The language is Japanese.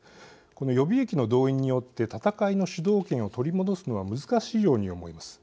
この予備役の動員によってこの戦いの主導権を取り戻すのは難しいように思います。